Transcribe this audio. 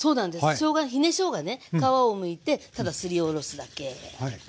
しょうがひねしょうがね皮をむいてただすりおろすだけ。